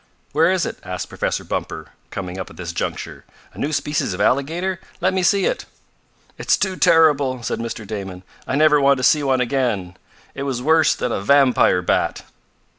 "Where is it?" asked Professor Bumper, coming up at this juncture. "A new species of alligator? Let me see it!" "It's too horrible," said Mr. Damon. "I never want to see one again. It was worse than a vampire bat!"